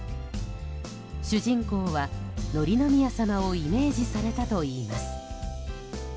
主人公は紀宮さまをイメージされたといいます。